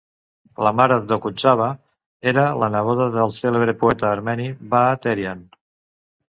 La mare d'Okudzava era la neboda del cèlebre poeta armeni Vahan Terian.